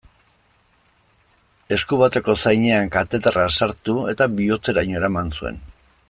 Esku bateko zainean kateterra sartu eta bihotzeraino eraman zuen.